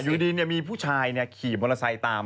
อยู่ดีเนี่ยมีผู้ชายเนี่ยขี่มอเตอร์ไซต์ตาม